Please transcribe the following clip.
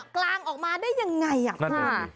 กลางออกมาได้ยังไงอ่ะคุณ